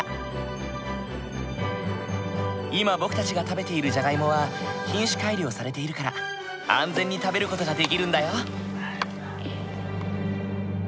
今僕たちが食べているじゃがいもは品種改良されているから安全に食べる事ができるんだよ。